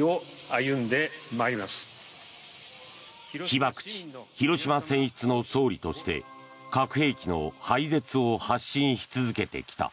被爆地・広島選出の総理として核兵器の廃絶を発信し続けてきた。